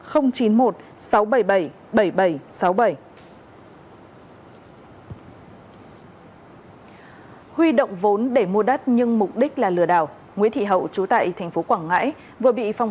huy động vốn để mua đất nhưng mục đích là lừa đảo nguyễn thị hậu chú tại tp quảng ngãi vừa bị phòng